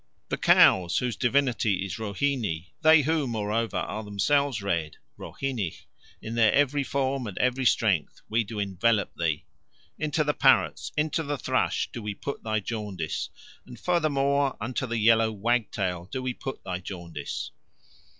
The cows whose divinity is Rohini, they who, moreover, are themselves red (rohinih) in their every form and every strength we do envelop thee. Into the parrots, into the thrush, do we put thy jaundice, and, furthermore, into the yellow wagtail do we put thy jaundice."